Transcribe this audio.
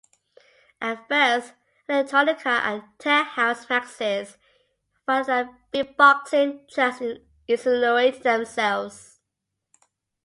At first, electronica and tech-house maxis rather than beat- boxing tracks insinuate themselves.